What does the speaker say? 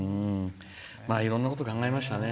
いろんなこと考えましたね。